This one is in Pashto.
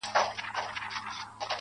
د خوار د ژوند كيسه ماتـه كړه,